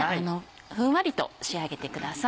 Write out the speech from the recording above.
ふんわりと仕上げてください。